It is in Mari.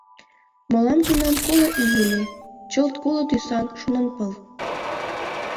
Мылам тунам коло ий ыле — чылт коло тӱсан шонанпыл.